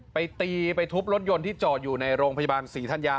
ไปตีไปทุบรถยนต์ที่จอดอยู่ในโรงพยาบาลศรีธัญญา